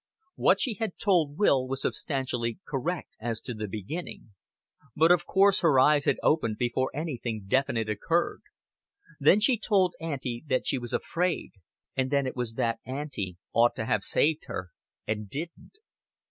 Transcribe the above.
What she told Will was substantially correct as to the beginning but of course her eyes had been opened before anything definite occurred. Then she had told Auntie that she was afraid; and then it was that Auntie ought to have saved her, and didn't.